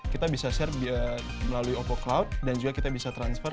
kita bisa share melalui oppo cloud dan juga kita bisa transfer